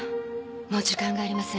もう時間がありません。